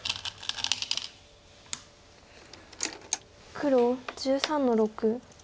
黒１３の六。